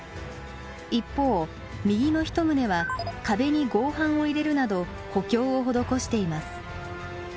一方右の１棟は壁に合板を入れるなど補強を施しています。